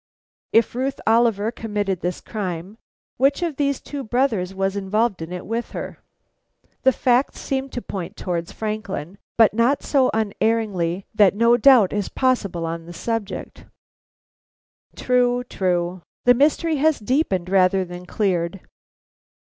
If Ruth Oliver committed this crime, which of these two brothers was involved in it with her? The facts seem to point towards Franklin, but not so unerringly that no doubt is possible on the subject." "True, true. The mystery has deepened rather than cleared.